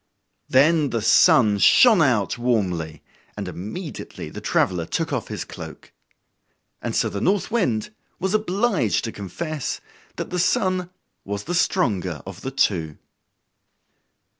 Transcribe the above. Then the Sun shined out warmly, and immediately the traveler took off his cloak. And so the North Wind was obliged to confess that the Sun was the stronger of the two.